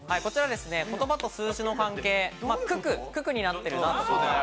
ことばと数字の関係、九九になっている。